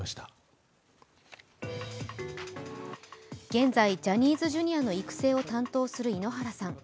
現在、ジャニーズＪｒ．の育成を担当する井ノ原さん。